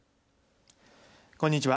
こんにちは。